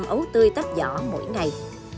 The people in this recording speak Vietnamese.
ấu tươi tách giỏ mỗi ngày